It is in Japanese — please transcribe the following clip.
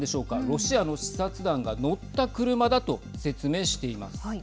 ロシアの視察団が乗った車だと説明しています。